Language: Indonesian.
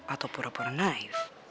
atau pura pura naif